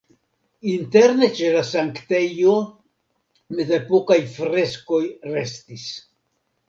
Interne ĉe la sanktejo mezepokaj freskoj restis.